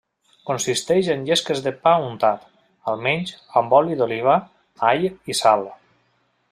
Consisteix en llesques de pa untat, almenys, amb oli d’oliva, all i sal.